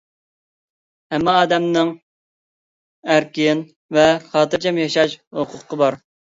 ھەممە ئادەمنىڭ ئەركىن ۋە خاتىرجەم ياشاش ھوقۇقى بار.